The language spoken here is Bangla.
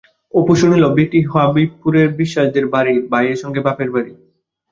অপু শুনিল বেঁটি হবিবপুরের বিশ্বাসদের বাড়ির, ভাইয়ের সঙ্গে বাপের বাড়ি।